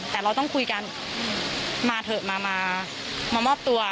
แต่เราต้องคุยกันมาเถอะมามอบตัว